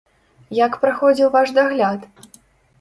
Як праходзіў ваш дагляд?